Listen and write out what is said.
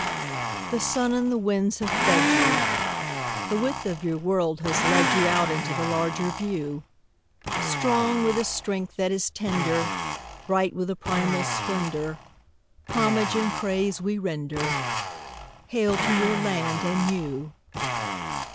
The sun and the winds have fed you; The width of your world has led you Out into the larger view; Strong with a strength that is tender, Bright with a primal splendour, Homage and praise we render— Hail to your land and you!